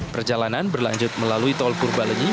perjalanan berlanjut melalui tol purbalenyi